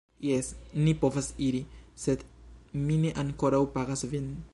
Jes, ni povas iri, sed mi ne ankoraŭ pagas vin